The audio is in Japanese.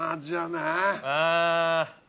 あぁ。